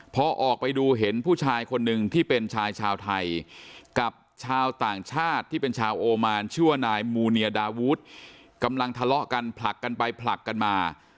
พอออกไปดูเห็นผู้ชายคนหนึ่งที่เป็นชายชาวไทยกับชาวต่างชาติที่เป็นชาวโอมานชื่อว่านายมูเนียดาวูธกำลังทะเลาะกันผลักกันไปผลักกันมา